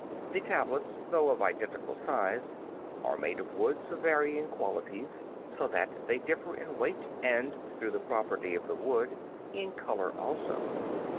(Fig. 15.) The tablets, though of identical size, are made of wood of varying qualities, so that they differ in weight and, through the property of the wood, in color also.